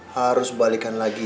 harus balikan lagi